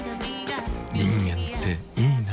人間っていいナ。